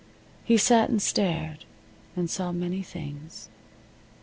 He sat and stared and saw many things.